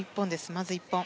まず１本。